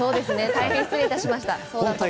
大変失礼しました。